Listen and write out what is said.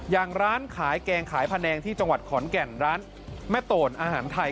อย่างร้านขายแกงขายพะแนงที่จังหวัดขอนแก่นร้านแม่โตนอาหารไทย